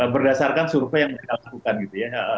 oleh berdasarkan survei yang kita lakukan gitu